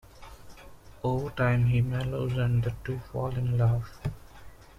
Over time, he mellows and the two fall in love.